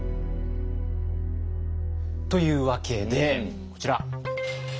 というわけでこちら。